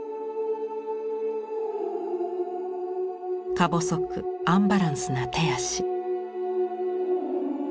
か細くアンバランスな手足。